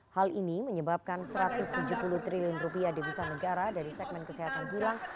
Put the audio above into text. hal ini menyebabkan satu ratus tujuh puluh triliun rupiah devisa negara dari segmen kesehatan bulang